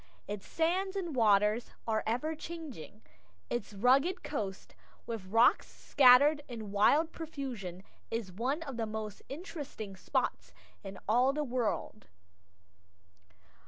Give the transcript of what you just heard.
Its sands and waters are ever changing. Its rugged coast, with rocks scattered in wild profusion, is one of the most interesting spots in all the world.